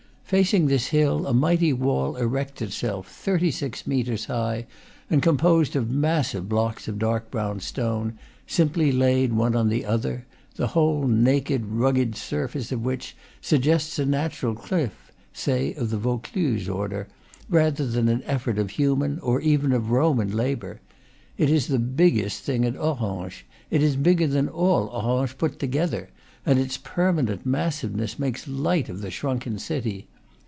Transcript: Facing this hill a mighty wall erects itself, thirty six metres high, and composed of massive blocks of dark brown stone, simply laid one on the other; the whole naked, rugged surface of which suggests a natural cliff (say of the Vaucluse order) rather than an effort of human, or even of Roman labor. It is the biggest thing at Orange, it is bigger than all Orange put to gether, and its permanent massiveness makes light of the shrunken city.